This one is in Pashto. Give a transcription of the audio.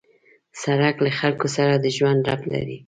سړک له خلکو سره د ژوند ربط لري.